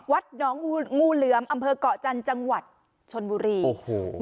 วัดหนองงูงูเหลือมอำเภอกเกาะจันทร์จังหวัดชนบุรีโอ้โห